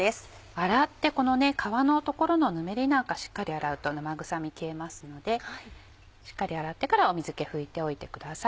洗ってこの皮の所のぬめりなんかしっかり洗うと生臭み消えますのでしっかり洗ってから水気拭いておいてください。